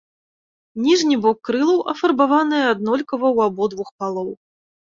Ніжні бок крылаў афарбаваная аднолькава ў абодвух палоў.